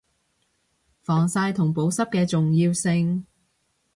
防曬同保濕嘅重要性